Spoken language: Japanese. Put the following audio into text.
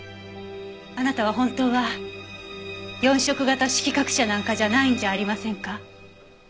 あなたは本当は四色型色覚者なんかじゃないんじゃありませんか？